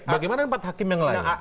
bagaimana empat hakim yang lain